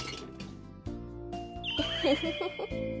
ウフフフフ。